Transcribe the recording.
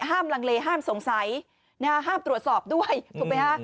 ลังเลห้ามสงสัยนะฮะห้ามตรวจสอบด้วยถูกไหมฮะ